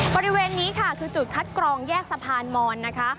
บริเวณนี้ค่ะคือจุดคัดกรองแยกสะพานมอนนะคะ